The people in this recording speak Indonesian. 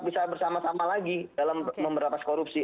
kita tetap bisa bersama sama lagi dalam memberatas korupsi